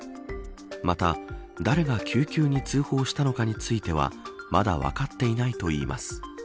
また、誰が救急に通報したのかについてはまだ分かっていないといいます。